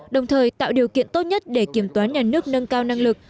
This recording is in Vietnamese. đồng thời tạo điều kiện tốt nhất để kiểm toán nhà nước nâng cao năng lực